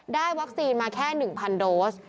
วัคซีนมาแค่๑๐๐โดส